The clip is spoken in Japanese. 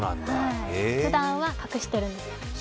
ふだんは隠してるんです。